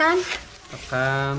ya geser tekan ya